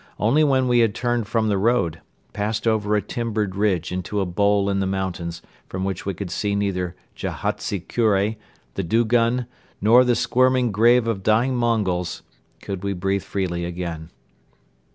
Only when we had turned from the road, passed over a timbered ridge into a bowl in the mountains from which we could see neither Jahantsi Kure, the dugun nor the squirming grave of dying Mongols could we breathe freely again.